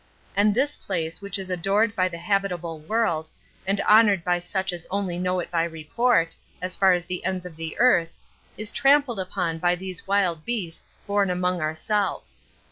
And this place, which is adored by the habitable world, and honored by such as only know it by report, as far as the ends of the earth, is trampled upon by these wild beasts born among ourselves.